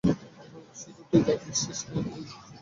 সেচ তুই দিচ্ছিস না কি ওই লোকটা?